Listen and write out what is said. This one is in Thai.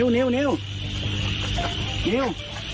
นิ้วนิ้วนิ้ว